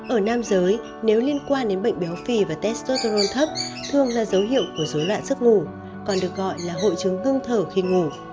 ở nam giới nếu liên quan đến bệnh béo phì và test soto thấp thường là dấu hiệu của dối loạn giấc ngủ còn được gọi là hội chứng ngưng thở khi ngủ